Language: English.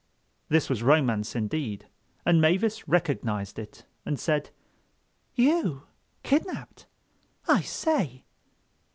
This was romance indeed; and Mavis recognized it and said: "You, kidnapped? I say!"